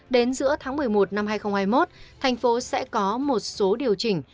đến giữa tháng một mươi một năm hai nghìn hai mươi một thành phố sẽ có một số điều chỉnh